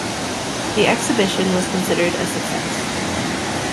The exhibition was considered a success.